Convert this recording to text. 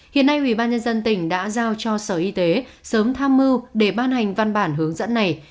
hiện nay ubnd tp hcm đã giao cho sở y tế sớm tham mưu để ban hành văn bản hướng dẫn này